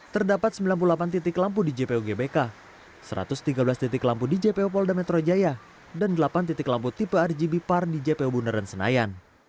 terdapat sembilan puluh delapan titik lampu di jpo gbk satu ratus tiga belas titik lampu di jpo polda metro jaya dan delapan titik lampu tipe rgb par di jpo bundaran senayan